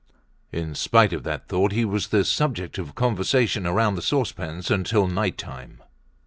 In spite of that thought, he was the subject of conversation around the saucepans until night time.